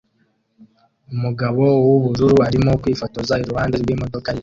Umugabo wubururu arimo kwifotoza iruhande rwimodoka ye